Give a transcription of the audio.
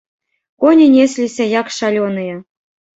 Коні несліся, як шалёныя.